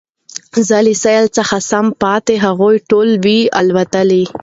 زه له سېل څخه سم پاته هغوی ټول وي الوتلي